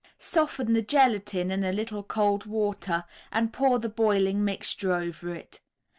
Soften the gelatine in a little cold water and pour the boiling mixture over it.